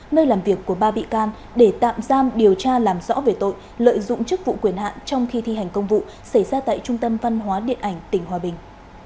nơi làm việc của ba bị can để tạm giam điều tra làm rõ về tội lợi dụng chức vụ quyền hạn trong khi thi hành công vụ xảy ra tại trung tâm văn hóa điện ảnh tỉnh hòa bình